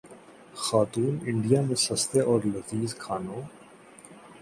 خاتون انڈیا میں سستے اور لذیذ کھانوں